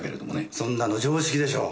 そんなの常識でしょう。